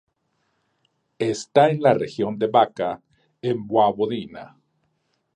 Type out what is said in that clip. Está en la región de Bačka en Voivodina.